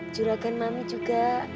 juragan mami juga